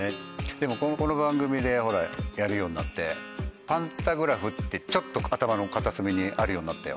でもこの番組でほらやるようになってパンタグラフってちょっと頭の片隅にあるようになったよ。